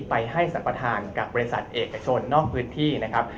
ไปให้สัมปทานกับบริษัทเอกชนนอกพื้นที่นะครับ